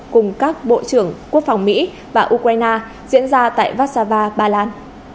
cùng các bộ trưởng quốc phòng mỹ và ukraine diễn ra tại vassava ba lan